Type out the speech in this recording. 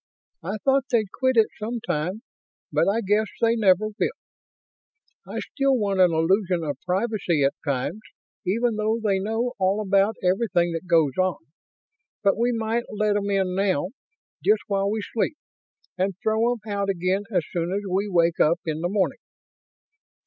I thought they'd quit it sometime, but I guess they never will. I still want an illusion of privacy at times, even though they know all about everything that goes on. But we might let 'em in now, just while we sleep, and throw 'em out again as soon as we wake up in the morning?"